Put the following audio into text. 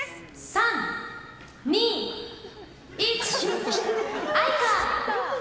３、２、１愛花！